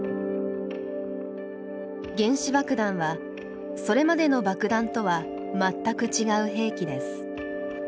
原子爆弾はそれまでの爆弾とは全くちがう兵器です。